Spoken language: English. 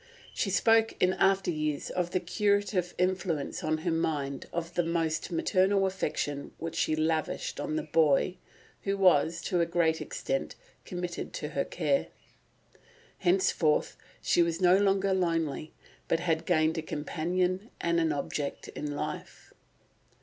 She spoke in after years of the curative influence on her mind of the almost maternal affection which she lavished on the boy who was, to a great extent, committed to her care. Henceforward she was no longer lonely, but had gained a companion and object in life.